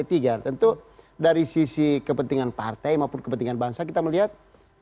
tentu dari sisi kepentingan partai maupun kepentingan bangsa kita melihat